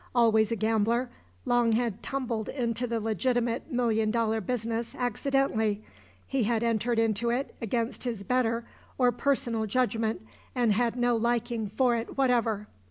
Always a gambler, Long had tumbled into the legitimate million dollar business accidentally. He had entered into it against his better or personal judgment and had no liking for it whatever.